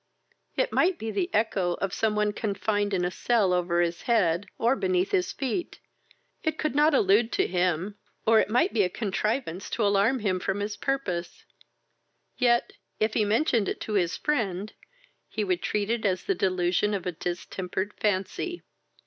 It might be the echo of some one confined in a cell over his head, or beneath his feet. It could not allude to him, or it might be a contrivance to alarm him from his purpose; yet, if he mentioned it to his friend, he would treat it as the delusion of a distempered fancy.